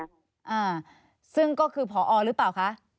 อ่าซึ่งก็คือผอหรือเปล่าคะ